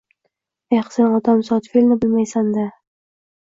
Eh sen odamzot fe’lini bilmaysan-da.